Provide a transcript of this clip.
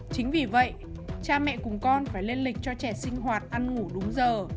chính vì vậy cha mẹ cùng con phải lên lịch cho trẻ sinh hoạt ăn ngủ đúng giờ